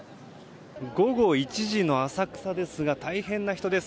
午後１時の浅草ですが大変な人です。